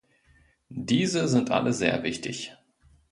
Diese sind alle sehr wichtig.